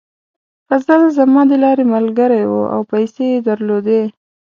فضل زما د لارې ملګری و او پیسې یې درلودې.